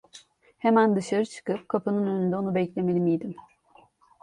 Hemen dışarı çıkıp kapının önünde onu beklemeli miydim?